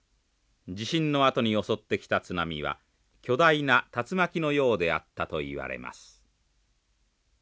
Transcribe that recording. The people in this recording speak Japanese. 地震のあとに襲ってきた津波は巨大な竜巻のようであったといわれます。